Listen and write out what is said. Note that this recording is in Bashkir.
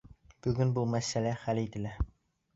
Бөгөн был мәсьәлә хәл ителә.